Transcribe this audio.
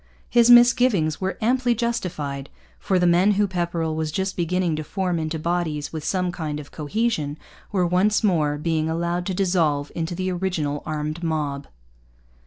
His misgivings were amply justified; for the men whom Pepperrell was just beginning to form into bodies with some kind of cohesion were once more being allowed to dissolve into the original armed mob.